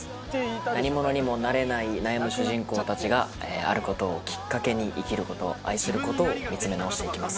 何者にもなれない悩む主人公たちがある事をきっかけに生きる事愛する事を見つめ直していきます。